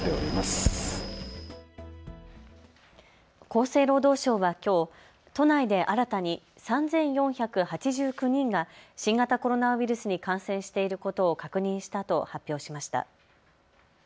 厚生労働省はきょう都内で新たに３４８９人が新型コロナウイルスに感染していることを確認したと発表しました。